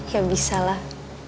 ya bisa lah